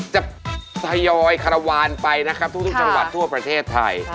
จะทยอยคารวาลไปนะครับทุกจังหวัดทั่วประเทศไทย